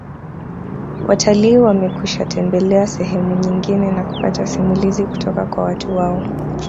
Watalii wamekwishatembelea sehemu nyingine na kupata simulizi kutoka kwa watu wao